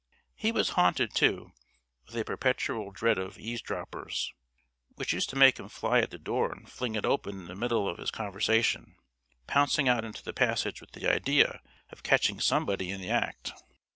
He was haunted, too, with a perpetual dread of eavesdroppers, which used to make him fly at the door and fling it open in the middle of his conversation, pouncing out into the passage with the idea of catching somebody in the act.